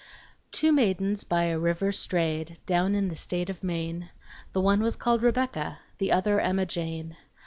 Two maidens by a river strayed Down in the state of Maine. The one was called Rebecca, The other Emma Jane.